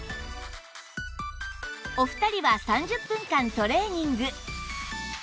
お二人は３０分間トレーニング